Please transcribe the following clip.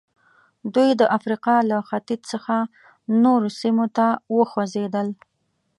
دوی د افریقا له ختیځ څخه نورو سیمو ته وخوځېدل.